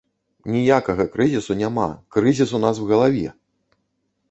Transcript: Ніякага крызісу няма, крызіс у нас у галаве!